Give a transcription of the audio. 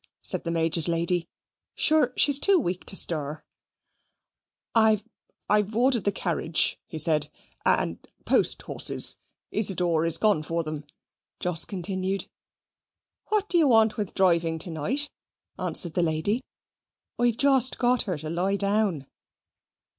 said the Major's lady; "sure she's too weak to stir." "I I've ordered the carriage," he said, "and and post horses; Isidor is gone for them," Jos continued. "What do you want with driving to night?" answered the lady. "Isn't she better on her bed? I've just got her to lie down."